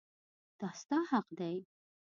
دا ستا حق دی.